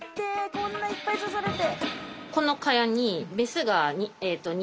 こんないっぱい刺されて。